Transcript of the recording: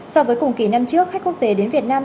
so với cùng kỳ năm trước khách quốc tế đến việt nam